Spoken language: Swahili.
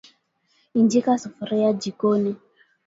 injika sufuria jikoni